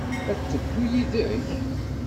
Ad teddu yid-k?